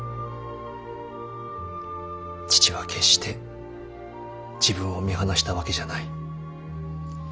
父は決して自分を見放したわけじゃない。